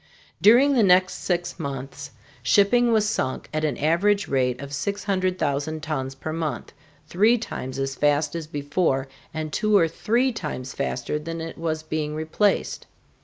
During the next six months shipping was sunk at an average rate of 600,000 tons per month, three times as fast as before, and two or three times faster than it was being replaced.